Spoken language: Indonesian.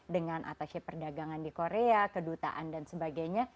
dengan atasnya perdagangan di korea kedutaan dan sebagainya